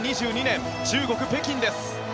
２０２２年中国・北京です。